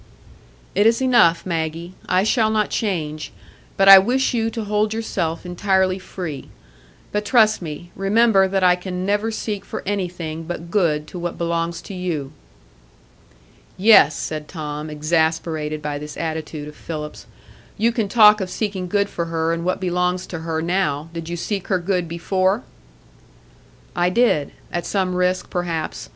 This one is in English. "It is enough, Maggie. I shall not change; but I wish you to hold yourself entirely free. But trust me; remember that I can never seek for anything but good to what belongs to you." "Yes," said Tom, exasperated by this attitude of Philip's, "you can talk of seeking good for her and what belongs to her now; did you seek her good before?" "I did,—at some risk, perhaps.